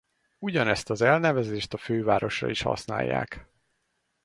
Ugyanezt az elnevezést a fővárosra is használják.